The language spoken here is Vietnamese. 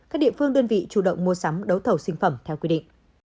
các địa phương đơn vị chủ động mua sắm đấu thầu sinh phẩm theo quy định